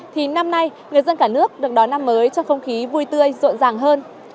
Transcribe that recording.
thì năm nay người dân cả nước được đón năm mới trong không khí vui tươi rộn ràng hơn